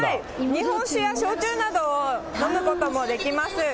日本酒や焼酎などを飲むこともできます。